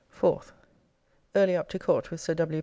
4th. Early up to Court with Sir W.